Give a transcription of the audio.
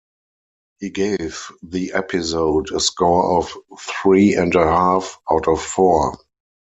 He gave the episode a score of three and a half out of four.